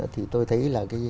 thì tôi thấy là